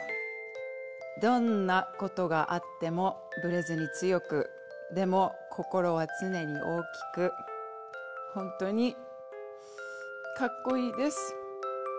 どんなことがあってもブレずに強くでも心は常に大きく本当にカッコいいです。